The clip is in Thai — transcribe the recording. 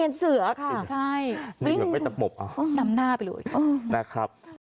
เห็นเสือค่ะวิ่งนำหน้าไปเลยนะครับ